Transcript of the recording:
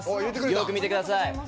よく見てください。